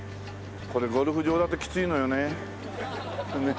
これゴルフ場だときついのよね。